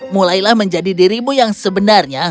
mulailah menjadi dirimu yang sebenarnya